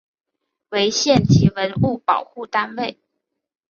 为县级文物保护单位。